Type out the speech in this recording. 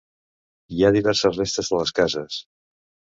Hi ha diverses restes de les cases.